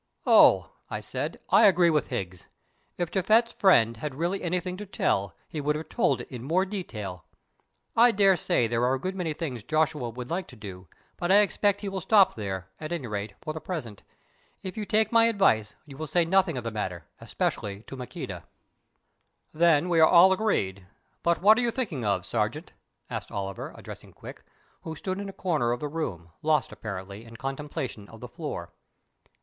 "Oh!" I said, "I agree with Higgs. If Japhet's friend had really anything to tell he would have told it in more detail. I daresay there are a good many things Joshua would like to do, but I expect he will stop there, at any rate, for the present. If you take my advice you will say nothing of the matter, especially to Maqueda." "Then we are all agreed. But what are you thinking of, Sergeant?" asked Oliver, addressing Quick, who stood in a corner of the room, lost apparently in contemplation of the floor.